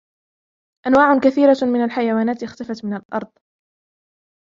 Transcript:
أنواع كثيرة من الحيوانات اختفت من الأرض